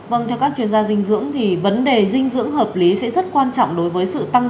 vâng theo các chuyên gia dinh dưỡng thì vấn đề dinh dưỡng hợp lý sẽ rất quan trọng đối với sự tăng